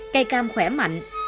cây cam khỏe mạnh